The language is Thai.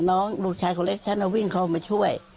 ลูกชายคนเล็กฉันวิ่งเข้ามาช่วย